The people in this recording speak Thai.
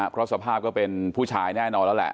เพราะสภาพก็เป็นผู้ชายแน่นอนแล้วแหละ